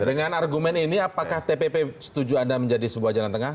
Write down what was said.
dengan argumen ini apakah tpp setuju anda menjadi sebuah jalan tengah